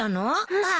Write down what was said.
ああ。